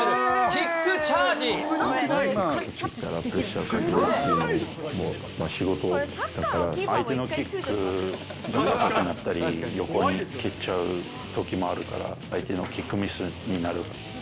キック蹴ってきたらプレッシャーをかけるのが仕事だから、相手のキックが高くなったり、横に蹴っちゃうときもあるから、相手のキックミスになる。